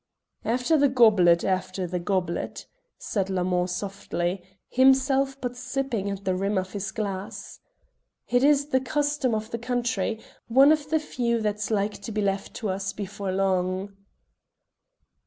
"After the goblet, after the goblet," said Lamond softly, himself but sipping at the rim of his glass. "It is the custom of the country one of the few that's like to be left to us before long."